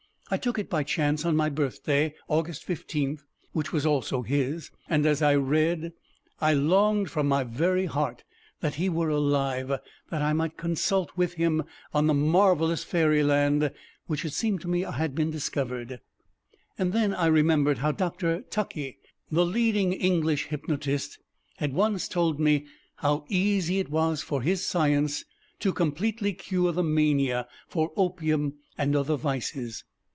I took it by chance on my birthday, August 15, which was also his, and as I read I longed from my very heart that he were alive, that I might consult with him on the marvelous Fairyland which it seemed to me had been discovered and then I remembered how Dr. TUCKEY, the leading English hypnotist, had once told me how easy it was for his science to completely cure the mania for opium and other vices.